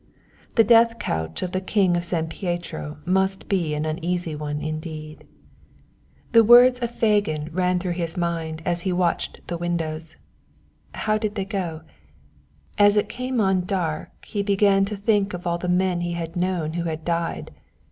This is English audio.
The death couch of the King of San Pietro must be an uneasy one indeed. The words of Fagin ran through his mind as he watched the windows; how did they go "_as it came on dark, he began to think of all the men he had known who had died....